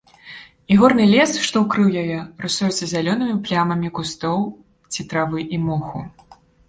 І горны лес, што ўкрыў яе, рысуецца зялёнымі плямамі кустоў ці травы і моху.